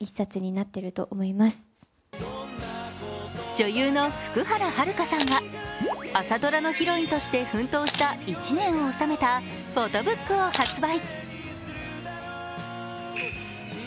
女優の福原遥さんが朝ドラのヒロインとして奮闘した１年を収めたフォトブックを発売。